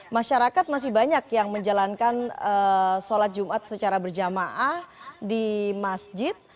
masyarakat masih banyak yang menjalankan sholat jumat secara berjamaah di masjid